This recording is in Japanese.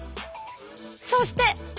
そして！